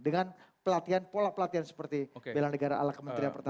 dengan pelatihan pola pelatihan seperti bela negara ala kementerian pertahanan